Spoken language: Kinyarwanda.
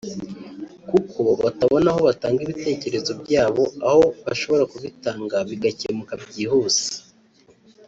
kuko batabona uko batanga ibitekerezo byabo aho bashobora kubitanga bigakemuka byihuse